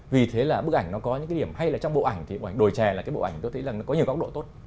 vì thế là bức ảnh nó có những cái điểm hay là trong bộ ảnh thì bộ ảnh đồi trè là cái bộ ảnh tôi thấy là nó có nhiều góc độ tốt